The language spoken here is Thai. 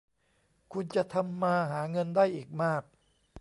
คุณจะทำมาหาเงินได้อีกมาก